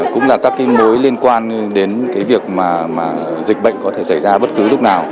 cũng là các mối liên quan đến việc dịch bệnh có thể xảy ra bất cứ lúc nào